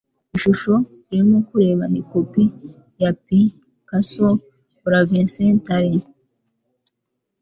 Ishusho urimo kureba ni kopi ya Picasso. (BraveSentry)